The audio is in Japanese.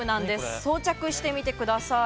装着してみてください。